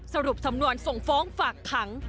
สรุปสำนวนส่งฟ้องฝากขัง